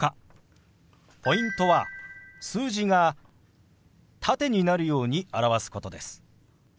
ポイントは数字が縦になるように表すことです。